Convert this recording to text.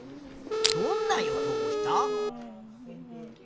どんな予想をした？